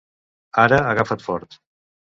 Ara agafa't fort!